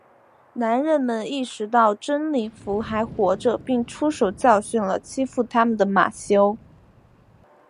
男人们意识到珍妮佛还活着并出手教训了欺骗他们的马修。